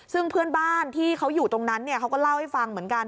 ซึ่งเพื่อนบ้านที่เขาอยู่ตรงนั้นเขาก็เล่าให้ฟังเหมือนกัน